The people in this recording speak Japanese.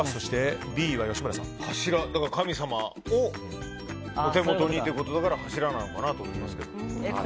神様をお手元にということだから柱なのかなと思いますけど。